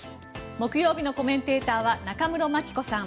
木曜日のコメンテーターは中室牧子さん